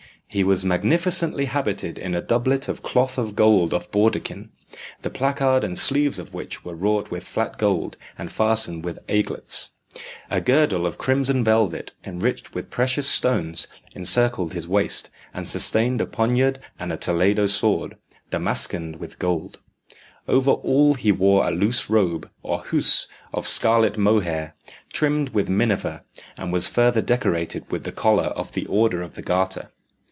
He was magnificently habited in a doublet of cloth of gold of bawdekin, the placard and sleeves of which were wrought with flat gold, and fastened with aiglets. A girdle of crimson velvet, enriched with precious stones, encircled his waist, and sustained a poniard and a Toledo sword, damascened with gold. Over all he wore a loose robe, or housse, of scarlet mohair, trimmed with minever, and was further decorated with the collar of the Order of the Garter.